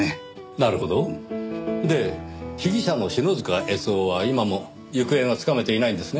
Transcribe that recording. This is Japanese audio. なるほど。で被疑者の篠塚悦雄は今も行方がつかめていないんですね？